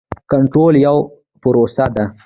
کنټرول یوه پروسه ده.